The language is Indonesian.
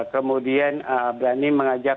kemudian berani mengajak